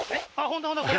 本当だ